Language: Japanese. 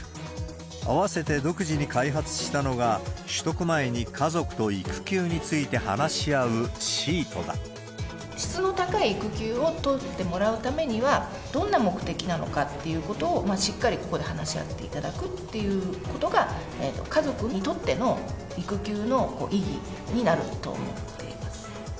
合わせて独自に開発したのが、取得前に家族と育休について話し合質の高い育休を取ってもらうためには、どんな目的なのかっていうことをしっかりここで話し合っていただくということが、家族にとっての育休の意義になると思